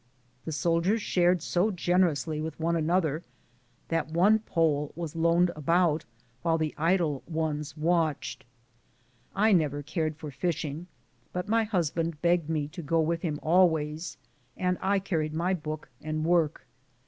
The soldiers shared so generously with one an other that one pole was loaned about while the idle ones watched. I never cared for fishing, but my husband begged me to go with him always, and carried my book and work.